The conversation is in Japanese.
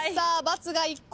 ×が１個。